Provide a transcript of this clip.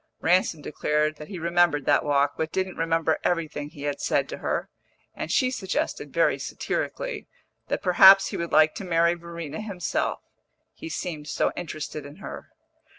Ransom declared that he remembered that walk, but didn't remember everything he had said to her; and she suggested, very satirically, that perhaps he would like to marry Verena himself he seemed so interested in her.